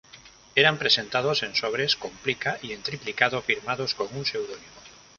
Eran presentados en sobres con plica y en triplicado firmados con un pseudónimo.